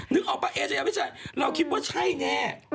นึกออกปะเอชายาไม่ใช่เราคิดว่าใช่แน่